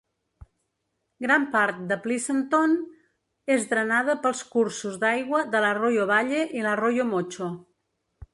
Gran part de Pleasanton és drenada pels cursos d'aigua de l'Arroyo Valle i l'Arroyo Mocho.